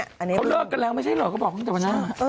เขาเลิกกันแล้วไม่ใช่เหรอก็บอกตั้งแต่วันหน้า